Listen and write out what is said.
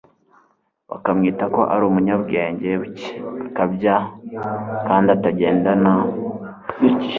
bakamwita ko ari umunyabwenge bucye, akabya kandi atagendana n'igihe.